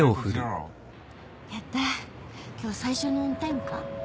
やった今日最初のオンタイムか。